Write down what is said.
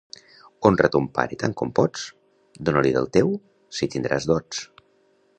Honra ton pare tant com pots; dona-li del teu, si tindràs dots.